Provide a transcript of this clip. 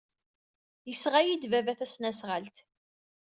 Yesɣa-iyi-d baba tasnasɣalt.